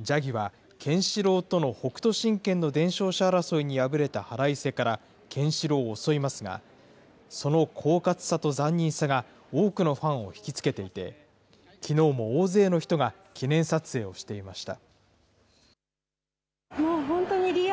ジャギは、ケンシロウとの北斗神拳の伝承者争いに敗れた腹いせから、ケンシロウを襲いますが、そのこうかつさと残忍さが、多くのファンを引き付けていて、きのうも大勢の人が記念撮影をしていました。